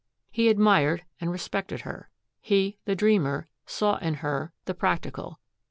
He admired and respected her. He, the dreamer, saw in her the practical.